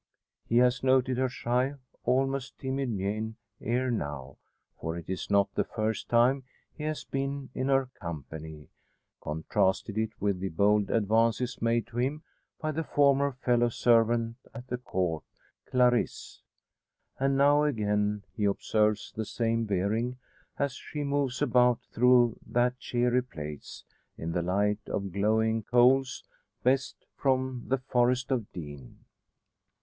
He has noted her shy, almost timid mien, ere now; for it is not the first time he has been in her company contrasted it with the bold advances made to him by her former fellow servant at the Court Clarisse. And now, again, he observes the same bearing, as she moves about through that cheery place, in the light of glowing coals best from the Forest of Dean.